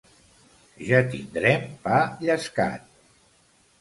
Ja tindrem pa llescat!